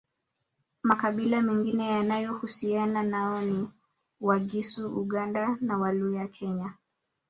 Makabila mengine yanayohusiana nao ni Wagisu Uganda na Waluya Kenya